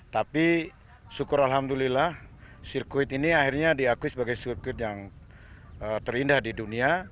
tapi syukur alhamdulillah sirkuit ini akhirnya diakui sebagai sirkuit yang terindah di dunia